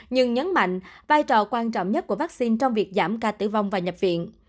nhưng nhấn mạnh vai trò quan trọng nhất của vaccine trong việc giảm ca tử vong và nhập viện